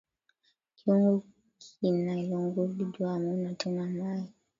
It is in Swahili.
Kyungu kina lungula ju amuna tena mayi